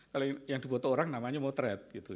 kalau yang diboto orang namanya motret gitu